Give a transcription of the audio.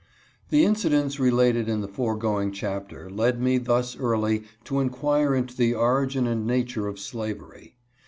THE incidents related in the foregoing chapter led me thus early to inquire into the origin and nature of slavery.